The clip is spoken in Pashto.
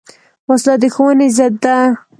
وسله د ښوونې ضد ده